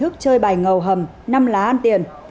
chơi bài ngầu hầm năm lá ăn tiền